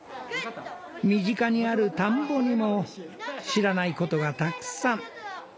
身近にある田んぼにも知らない事がたくさん。